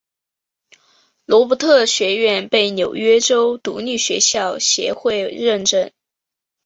罗伯特学院被纽约州独立学校协会认证。